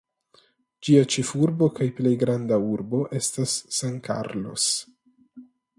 Ĝia ĉefurbo kaj plej granda urbo estas San Carlos.